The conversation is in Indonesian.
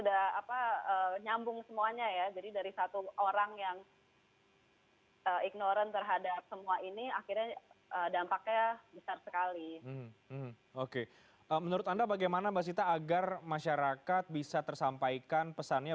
dampaknya besar sekali oke menurut anda bagaimana mbak sita agar masyarakat bisa tersampaikan pesannya